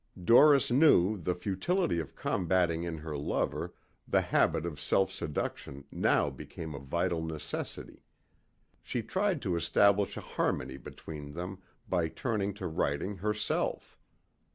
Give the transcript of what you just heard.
Doris knew the futility of combating in her lover the habit of self seduction now became a vital necessity. She tried to establish a harmony between them by turning to writing herself.